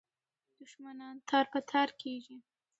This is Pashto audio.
دښمنان تار په تار کېږي.